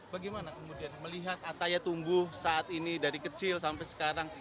bagaimana kemudian melihat ataya tumbuh saat ini dari kecil sampai sekarang